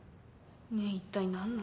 ねえ一体何の。